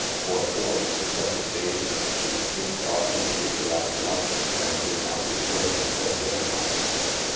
For four successive days, she sneaked off im mediately after luncheon and did not return until dinner time.